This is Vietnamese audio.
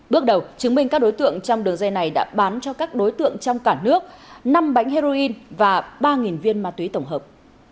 bước đầu chứng minh các đối tượng trong đường dây này đã bán cho các đối tượng trong cả nước năm bánh heroin và ba viên ma túy tổng hợp